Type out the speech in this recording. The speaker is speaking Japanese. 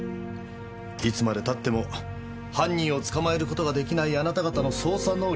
いつまでたっても犯人を捕まえる事ができないあなた方の捜査能力に。